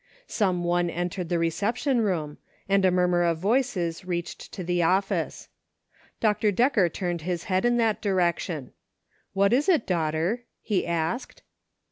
Some one entered the re ception room, and a murmur of voices reached to the office. Dr. Decker turned his head in that direction. "What is it, daughter ?" he asked.